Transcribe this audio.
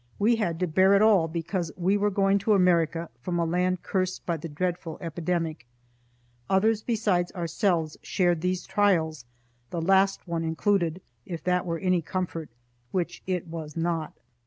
We had to bear it all because we were going to America from a land cursed by the dreadful epidemic. Others besides ourselves shared these trials, the last one included, if that were any comfort, which it was not.